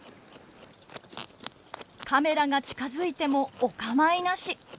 カメラが近づいてもおかまいなし。